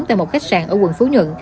tại một khách sạn ở quận phú nhận